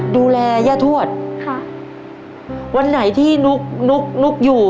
ดูแลย่าทวดค่ะวันไหนที่นุ๊กนุ๊กนุ๊กอยู่